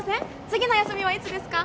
次の休みはいつですか？